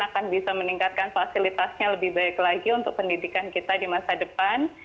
akan bisa meningkatkan fasilitasnya lebih baik lagi untuk pendidikan kita di masa depan